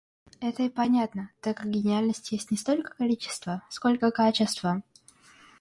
Это и понятно, так как гениальность есть не столько количества, сколько КАЧЕСТВО.